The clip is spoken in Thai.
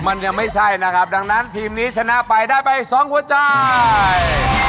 มันยังไม่ใช่นะครับดังนั้นทีมนี้ชนะไปได้ไปสองหัวใจ